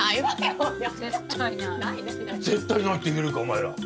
絶対ないって見るかお前ら。